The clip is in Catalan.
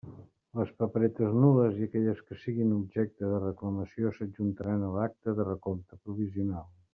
Les paperetes nul·les i aquelles que siguin objecte de reclamació s'adjuntaran a l'acta de recompte provisional.